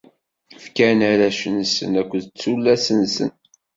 Fkan arrac-nsen akked tullas-nsen.